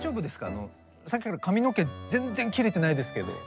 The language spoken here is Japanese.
あのさっきから髪の毛全然切れてないですけど。